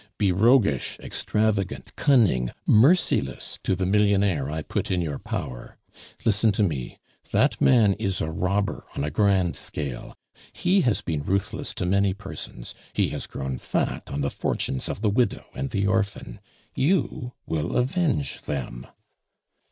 Be roguish, extravagant, cunning, merciless to the millionaire I put in your power. Listen to me! That man is a robber on a grand scale; he has been ruthless to many persons; he has grown fat on the fortunes of the widow and the orphan; you will avenge them!